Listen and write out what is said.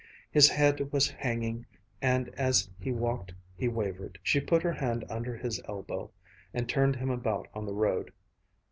His head was hanging and as he walked he wavered. She put her hand under his elbow and turned him about on the road.